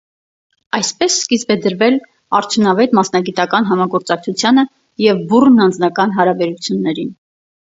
Այդպես սկիզբ է դրվել արդյունավետ մասնագիտական համագործակցությանը և բուռն անձնական հարաբերություններին։